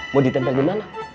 mau ditempel dimana